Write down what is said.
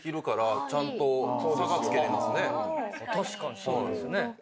確かにそうですね。